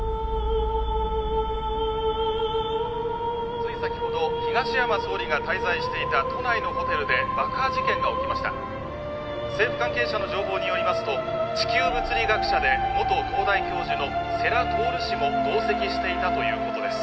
つい先ほど東山総理が滞在していた都内のホテルで爆破事件が起きました政府関係者の情報によりますと地球物理学者で元東大教授の世良徹氏も同席していたということです